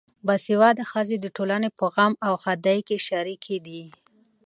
باسواده ښځې د ټولنې په غم او ښادۍ کې شریکې دي.